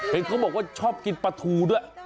เห็นเขาบอกว่าชอบกินปลาทูด้วย